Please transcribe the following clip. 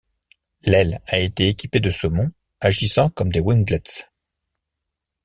L’aile a été équipée de saumons, agissant comme des winglets.